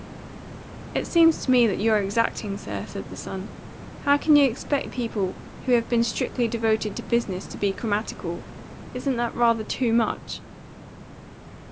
"It seems to me that you're exacting, sir," said the son. "How can you expect people who have been strictly devoted to business to be grammatical? Isn't that rather too much?"